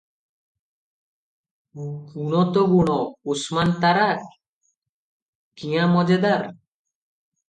ଗୁଣ ତଗୁଣ ଉସ୍ମାନ୍ ତାରା – କ୍ୟା ମଜେଦାର!